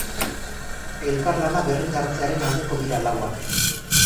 Elkarlana berrindartzearen aldeko dira lauak.